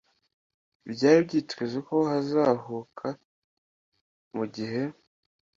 byari byitezwe ko wazahuka mu gihe